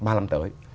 ba năm tới